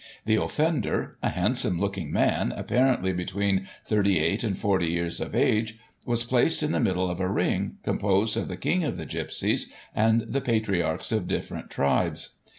The offender, a handsome looking man, apparently between 38 and 40 years of age, was placed in the middle of a ring, composed of the King of the Gipsies, and the patriarchs of different tribes.